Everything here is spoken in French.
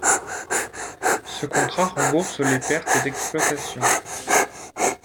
Ce contrat rembourse les pertes d’exploitation.